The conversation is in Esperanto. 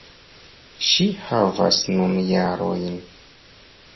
Ŝi havas nun jarojn.